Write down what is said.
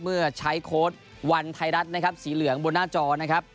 เมื่อใช้โค้ดวันไทยรัฐนะครับสีเหลืองบนหน้าจอนะครับ